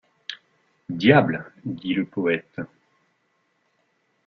Diable! dit le poëte.